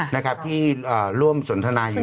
ค่ะนะครับที่ร่วมสนทนายอยู่ด้วย